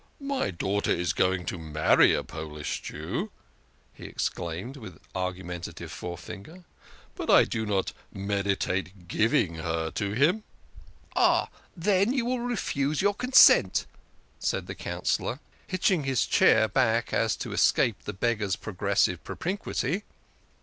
"My daughter is going to marry a Polish Jew," he explained with argumentative forefinger, " but I do not meditate giving her to him." " Oh, then, you will refuse your consent," said the Coun cillor, hitching his chair back so as to escape the beggar's progressive propinquity.